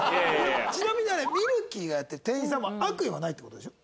ちなみにあれみるきーがやってる店員さんは悪意はないって事でしょ？